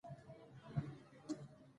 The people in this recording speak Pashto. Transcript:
سبزیجات باید د پخولو مخکې پریمنځل شي.